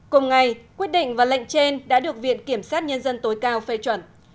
cùng ngày quyết định và lệnh trên đã được viện kiểm sát nhân dân tối cao phê chuẩn